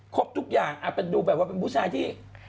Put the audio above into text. ครบทุกอย่างถ้าดูเปล่าว่าเป็นผู้ชายที่